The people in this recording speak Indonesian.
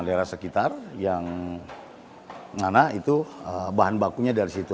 daerah sekitar yang mana itu bahan bakunya dari situ